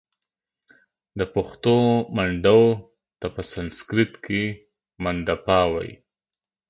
د پښتو منډو Mandaw ته په سنسیکرت کښې Mandapa وايي